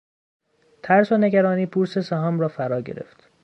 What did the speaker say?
ترس و نگرانی بورس سهام را فرا گرفت.